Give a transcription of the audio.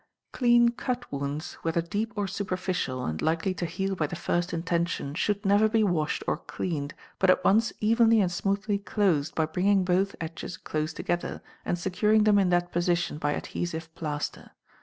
Clean cut wounds, whether deep or superficial, and likely to heal by the first intention, should never be washed or cleaned, but at once evenly and smoothly closed by bringing both edges close together, and securing them in that position by adhesive plaster.